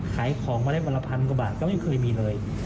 ขายของมาได้วันละพันกว่าบาทก็ไม่เคยมีเลย